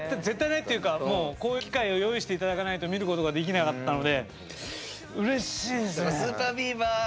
絶対ないっていうかもうこういう機会を用意して頂かないと見ることができなかったのでうれしいですね！